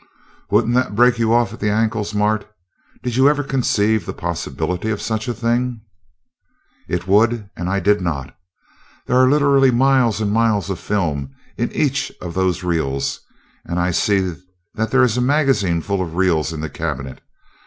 "Wouldn't that break you off at the ankles, Mart? Did you ever conceive the possibility of such a thing? "It would, and I did not. There are literally miles and miles of film in each of those reels, and I see that there is a magazine full of reels in the cabinet.